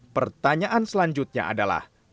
pertanyaan selanjutnya adalah